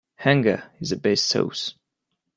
Hunger is the best sauce.